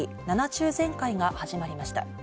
中全会が始まりました。